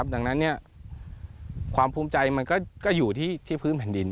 ดังนั้นความภูมิใจมันก็อยู่ที่พื้นแผ่นดิน